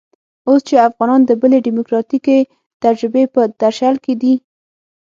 اوس چې افغانان د بلې ډيموکراتيکې تجربې په درشل کې دي.